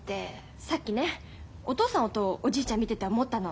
さっきねお父さんとおじいちゃん見てて思ったの。